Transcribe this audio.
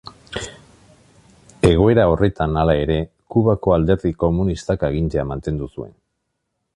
Egoera horretan, hala ere, Kubako Alderdi Komunistak agintea mantendu zuen.